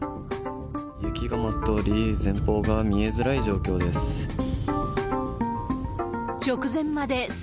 雪が舞っており、前方が見えづらい状況です。